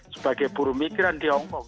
sebagai buru migran di hong kong